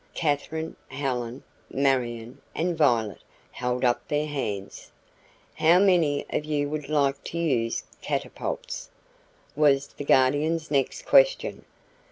Katherine, Helen, Marion and Violet held up their hands. "How many of you would like to use catapults?" was the Guardian's next question.